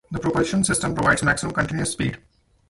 The propulsion system provides maximum continuous speed.